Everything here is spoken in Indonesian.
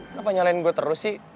kenapa nyalain gue terus sih